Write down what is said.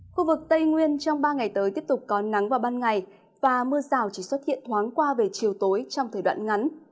khu vực tây nguyên trong ba ngày tới tiếp tục có nắng vào ban ngày và mưa rào chỉ xuất hiện thoáng qua về chiều tối trong thời đoạn ngắn